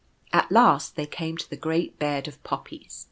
At last they came to the great bed of Poppies.